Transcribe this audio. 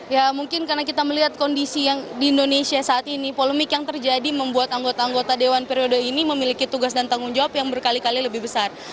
ya mungkin karena kita melihat kondisi yang di indonesia saat ini polemik yang terjadi membuat anggota anggota dewan periode ini memiliki tugas dan tanggung jawab yang berkali kali lebih besar